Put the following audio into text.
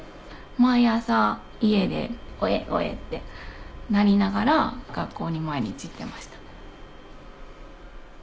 毎朝家で「オエオエ」ってなりながら学校に毎日行ってました。